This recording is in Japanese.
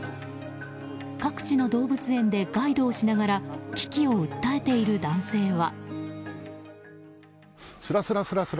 各地の動物園でガイドをしながら危機を訴えている男性は。